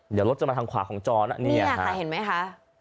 เดี๋ยวรถจะมาทางขวาของจรนะเนี่ยค่ะเห็นไหมคะ